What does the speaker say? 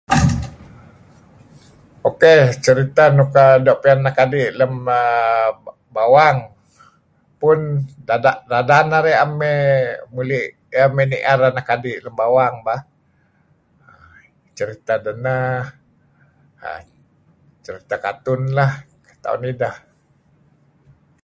(Door slam) Okey serith nuk keli' lam uhm bawang pun dadan narih may muli' may nier anak adi' lem bawang bah, Seritah dah nah seritah Karton lah taon ideh.